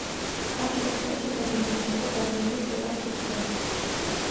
ამ შემთხვევაში ღებინების შემდეგ ადამიანი შვებას გრძნობს.